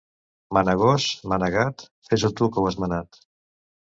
Mana gos, mana gat; fes-ho tu que ho has manat!